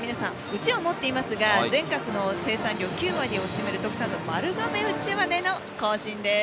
うちわを持っていますが全国の生産量９割を占める特産の丸亀うちわでの行進です。